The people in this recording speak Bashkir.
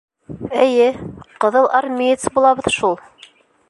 — Эйе, ҡыҙыл армеец булабыҙ шул.